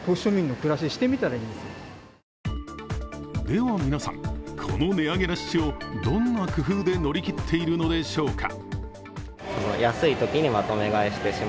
では皆さん、この値上げラッシュをどんな工夫で乗り切っているのでしょうか。